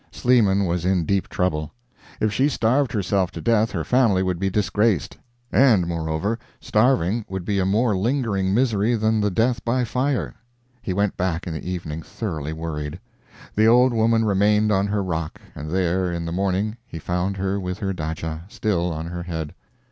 Sleeman was in deep trouble. If she starved herself to death her family would be disgraced; and, moreover, starving would be a more lingering misery than the death by fire. He went back in the evening thoroughly worried. The old woman remained on her rock, and there in the morning he found her with her dhaja still on her head.